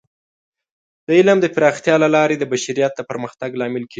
د علم د پراختیا له لارې د بشریت د پرمختګ لامل کیږي.